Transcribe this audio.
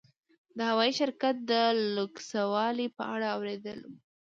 د هوايي شرکت د لوکسوالي په اړه اورېدلي ول.